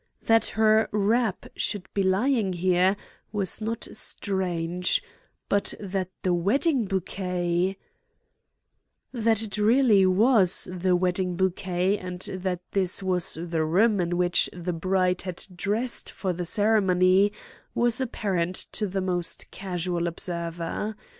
That her wrap should be lying here was not strange, but that the wedding bouquet— That it really was the wedding bouquet and that this was the room in which the bride had dressed for the ceremony was apparent to the most casual observer.